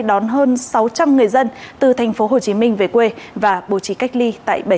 đón hơn sáu trăm linh người dân từ thành phố hồ chí minh về quê và bố trí cách ly tại bảy